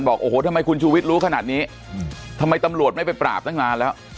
บอกโอ้โหทำไมคุณชูวิทย์รู้ขนาดนี้ทำไมตำรวจไม่ไปปราบตั้งนานแล้ว